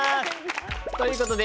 ということで「